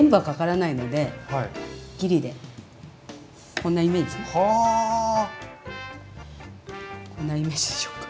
こんなイメージでしょうか。